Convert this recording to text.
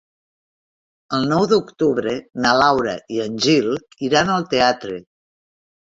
El nou d'octubre na Laura i en Gil iran al teatre.